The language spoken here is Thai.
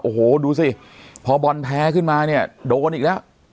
โอ้โหดูสิพอบอลแพ้ขึ้นมาเนี่ยโดนอีกแล้ว